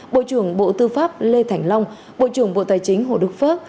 bộ trưởng bộ tư pháp lê thành long bộ trưởng bộ tài chính hồ đức phước